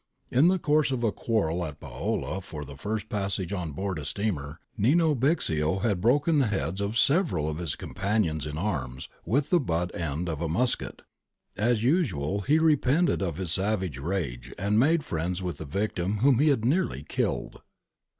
In the course of a quarrel at Paola for the first passage on board a steamer, Nino Bixio had broken the heads of several of his companions in arms with the butt end of a musket ; as usual he re pented of his savage rage and made friends with the victim whom he had nearly killed.